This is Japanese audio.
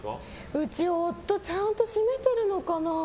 うち、夫ちゃんと閉めてるのかな。